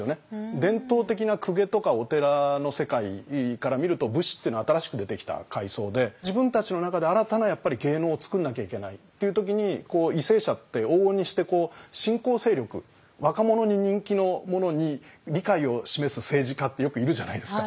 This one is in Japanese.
伝統的な公家とかお寺の世界から見ると武士っていうのは新しく出てきた階層で自分たちの中で新たなやっぱり芸能を作んなきゃいけないっていう時に為政者って往々にして新興勢力若者に人気のものに理解を示す政治家ってよくいるじゃないですか。